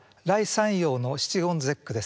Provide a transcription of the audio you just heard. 山陽の七言絶句です。